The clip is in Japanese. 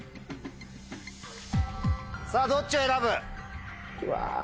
さぁどっちを選ぶ？